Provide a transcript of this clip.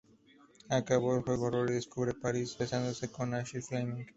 Acabado el juego, Rory descubre a Paris besándose con Asher Fleming.